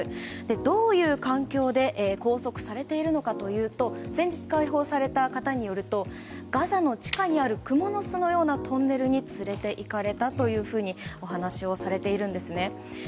どういう環境で拘束されているのかというと先日解放された方によるとガザの地下にあるクモの巣のようなトンネルに連れていかれたとお話をされているんです。